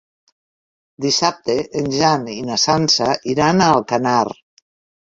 Dissabte en Jan i na Sança iran a Alcanar.